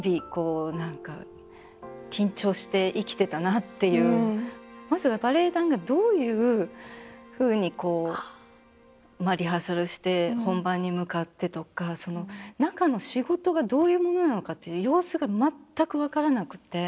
やっぱりまずバレエ団がどういうふうにこうリハーサルをして本番に向かってとかその中の仕事がどういうものなのかっていう様子が全く分からなくて。